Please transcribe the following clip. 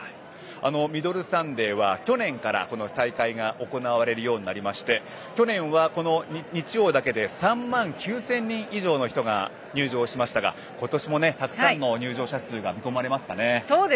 ミドルサンデーは去年から大会が行われるようになりまして去年は日曜だけで３万９０００人以上の人が入場しましたが今年もたくさんの入場者数が見込まれますよね。